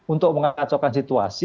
untuk mengakacaukan situasi